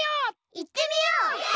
いってみよう！